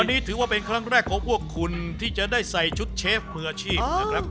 อันนี้ถือว่าเป็นครั้งแรกของพวกคุณที่จะได้ใส่ชุดเชฟมืออาชีพนะครับ